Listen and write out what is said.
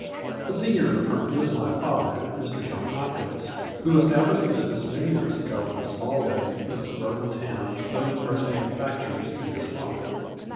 The senior of the firm is my father, Mr. John Hopkins, who established the business many years ago in a small way in a suburban town noted for its manufactures in this line.